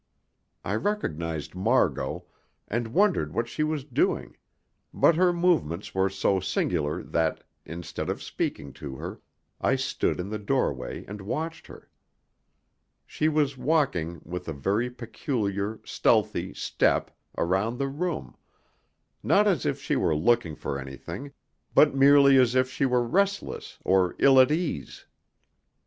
I recognised Margot, and wondered what she was doing, but her movements were so singular that, instead of speaking to her, I stood in the doorway and watched her. She was walking, with a very peculiar, stealthy step, around the room, not as if she were looking for anything, but merely as if she were restless or ill at ease.